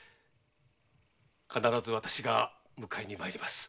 必ず私が迎えに参ります。